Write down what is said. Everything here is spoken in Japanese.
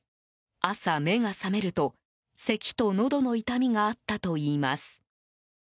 朝、目が覚めるとせきとのどの痛みがあったといいます。